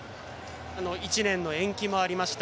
１年の延期もありました。